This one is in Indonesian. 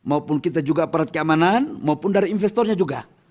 ada juga aparat keamanan maupun dari investornya juga